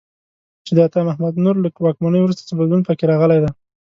چې د عطا محمد نور له واکمنۍ وروسته څه بدلون په کې راغلی دی.